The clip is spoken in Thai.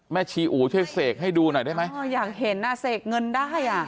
แม่ชีอู่ช่วยเศษให้ดูหน่อยได้ไหมอยากเห็นเศษเงินได้